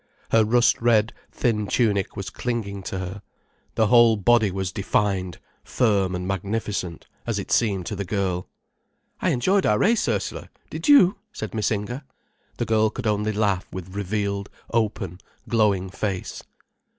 Her rust red, thin tunic was clinging to her, the whole body was defined, firm and magnificent, as it seemed to the girl. "I enjoyed our race, Ursula, did you?" said Miss Inger. The girl could only laugh with revealed, open, glowing face.